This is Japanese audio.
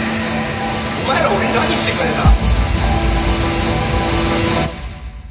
お前ら俺に何してくれた？